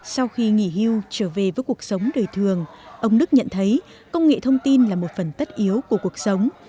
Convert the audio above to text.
sau khi nghỉ hưu trở về với cuộc sống đời thường ông đức nhận thấy công nghệ thông tin là một phần tất yếu của cuộc sống